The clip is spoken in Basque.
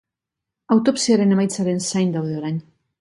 Autopsiaren emaitzaren zain daude orain.